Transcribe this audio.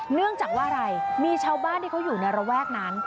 เนื่องจากว่าอะไรมีชาวบ้านที่เขาอยู่ในระแวกนั้น